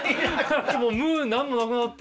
もう無何もなくなった。